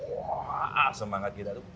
wah semangat kita itu